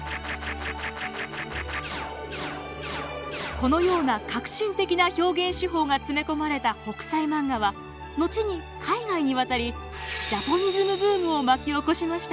このような革新的な表現手法が詰め込まれた「北斎漫画」は後に海外に渡りジャポニズムブームを巻き起こしました。